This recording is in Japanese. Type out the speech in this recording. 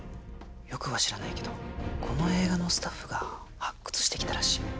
よくは知らないけどこの映画のスタッフが発掘してきたらしいよ。